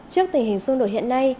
trước tình hình xung đột hiện nay